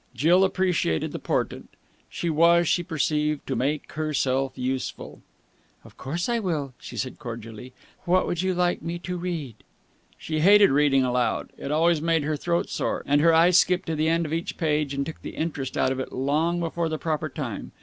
Jill appreciated the portent. She was, she perceived, to make herself useful. "Of course I will," she said cordially. "What would you like me to read?" She hated reading aloud. It always made her throat sore, and her eye skipped to the end of each page and took the interest out of it long before the proper time.